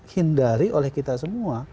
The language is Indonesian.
hindari oleh kita semua